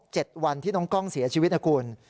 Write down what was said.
ครบ๗วันที่น้องกล้องเสียชีวิตอากุล